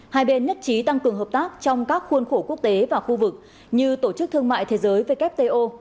hai bên nhất trí tăng cường hợp tác trong các khuôn khổ quốc tế và khu vực như tổ chức thương mại thế giới wto